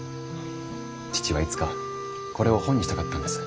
父はいつかこれを本にしたかったんです。